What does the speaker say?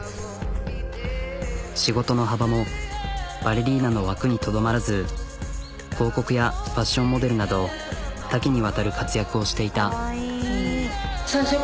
仕事の幅もバレリーナの枠にとどまらず広告やファッションモデルなど多岐にわたる活躍をしていた。